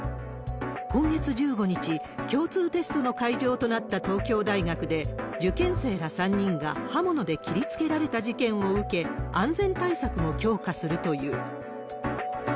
今月１５日、共通テストの会場となった東京大学で、受験生ら３人が刃物で切りつけられた事件を受け、安全対策も強化するという。